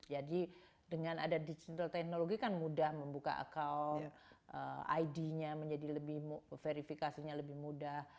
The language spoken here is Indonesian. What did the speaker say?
jadi dengan ada digital technology kan mudah membuka akun id nya menjadi lebih mudah verifikasinya lebih mudah